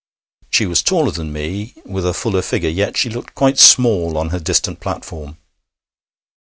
She was taller than me, with a fuller figure, yet she looked quite small on her distant platform.